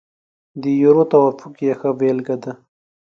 د یورو توافق یې ښه بېلګه ده.